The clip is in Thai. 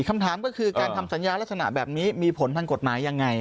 คำถามก็คือการทำสัญญาลักษณะแบบนี้มีผลทางกฎหมายยังไง